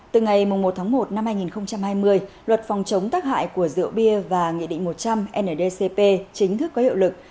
từ ngày một tháng một năm hai nghìn hai mươi luật phòng chống tác hại của rượu bia và nghị định một trăm linh ndcp chính thức có hiệu lực